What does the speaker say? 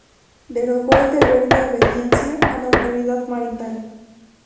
Derogó el deber de obediencia a la autoridad marital.